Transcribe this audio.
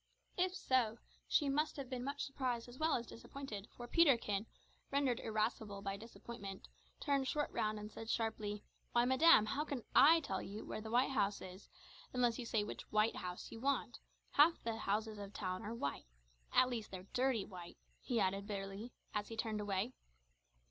If so, she must have been much surprised as well as disappointed, for Peterkin, rendered irascible by disappointment, turned short round and said sharply, "Why, madam, how can I tell you where the white house is, unless you say which white house you want? Half the houses of the town are white at least they're dirty white," he added bitterly, as he turned away.